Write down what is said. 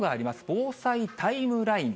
防災タイムライン。